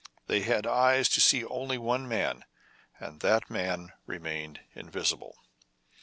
They had eyes to see only one man, and that man remained invisible.